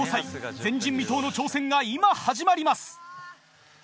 前人未到の挑戦が今始まります。